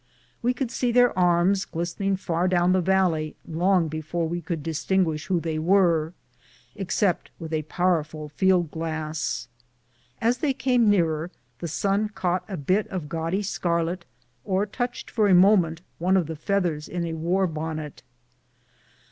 We could see their arms glisten 210 BOOTS AND SADDLES. ing far down the valley long before we could dis tinguish who they were, except with a powerful field glass. As they came nearer, the sun caught a bit of gaudy scarlet, or touched for a moment one of the feathers in a war bonnet.